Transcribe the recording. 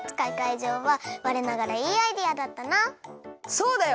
そうだよ！